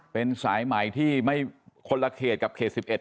เป็นสายใหม่ที่ไม่คนละเขตกับเขต๑๑